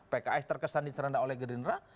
pks terkesan diceranda oleh gerindra